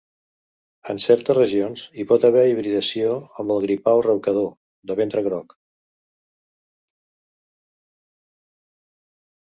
En certes regions, hi pot haver hibridació amb el gripau raucador de ventre groc.